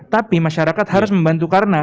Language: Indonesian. tapi masyarakat harus membantu karena